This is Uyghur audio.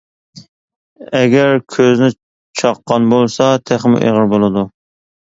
ئەگەر كۆزنى چاققان بولسا تېخىمۇ ئېغىر بولىدۇ.